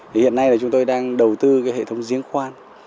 thì hiện nay là chúng tôi đang đầu tư cái hệ thống giếng khoan